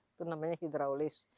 itu namanya hidraulis